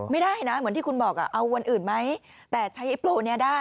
ไม่ได้นะเหมือนที่คุณบอกเอาวันอื่นไหมแต่ใช้ไอ้โปรนี้ได้